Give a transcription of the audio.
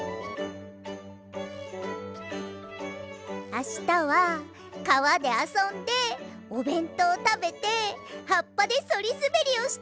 あしたはかわであそんでおべんとうたべてはっぱでそりすべりをして。